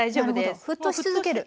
沸騰し続ける？